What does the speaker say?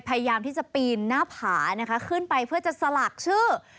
พยายามที่จะปีนหน้าผานะคะขึ้นไปเพื่อจะสลักชื่อ